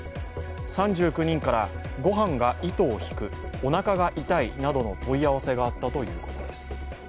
３９人から、ごはんが糸を引く、おなかが痛いなどの問い合わせがあったということです。